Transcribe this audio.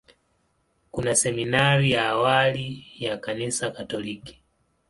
Kuna seminari ya awali ya Kanisa Katoliki.